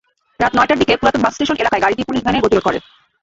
রাত নয়টার দিকে পুরাতন বাস স্টেশন এলাকায় গাড়িটি পুলিশ ভ্যানের গতিরোধ করে।